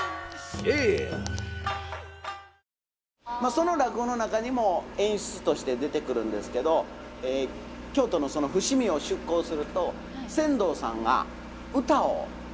その落語の中にも演出として出てくるんですけど京都のその伏見を出港すると船頭さんが唄をうたったんやそうです舟唄を。